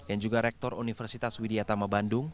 yang juga rektor universitas widyatama bandung